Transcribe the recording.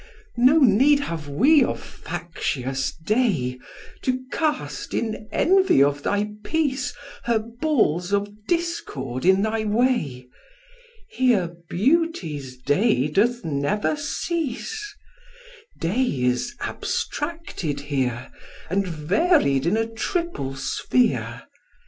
No need have we of factious Day, To cast, in envy of thy peace, Her balls of discord in thy way: Here Beauty's day doth never cease; Day is abstracted here, And varied in a triple sphere.